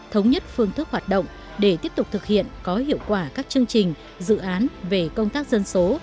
thống nhất phương thức hoạt động để tiếp tục thực hiện có hiệu quả các chương trình dự án về công tác dân số